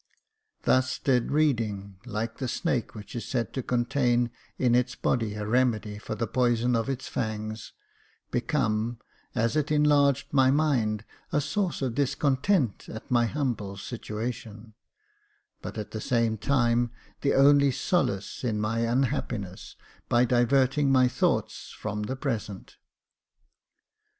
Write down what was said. Thus did reading, like the snake which is said to contain in its body a remedy for the poison of its fangs, become, as it enlarged my mind, a source of discontent at my humble situation ; but, at the same time, the only solace in my unhappiness, by diverting my thoughts from the present.